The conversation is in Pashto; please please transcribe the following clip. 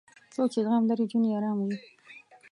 څوک چې زغم لري، ژوند یې ارام وي.